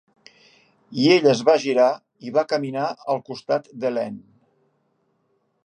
I ell es va girar i va caminar al costat d'Helene.